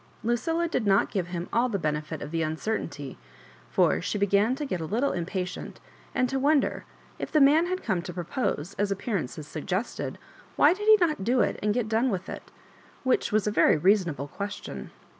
Lucilla did not give him all the benefit of the uncertainty, for she began to get a little impatient, and to wonder, if the man had come to propose, as ap pearances suggested, why he did not do it and get done with it? — which was a very reasonable question.